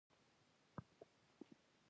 که زما څخه نفرت لرئ نو ستاسو په ذهن کې به وم.